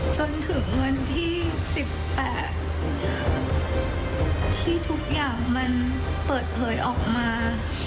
จนถึงวันที่๑๘ที่ทุกอย่างมันเปิดเผยออกมา